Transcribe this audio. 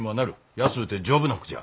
安うて丈夫な服じゃ。